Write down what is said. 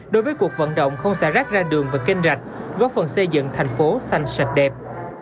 đối với cuộc vận động không xả rác ra đường và kênh rạch góp phần xây dựng thành phố xanh sạch đẹp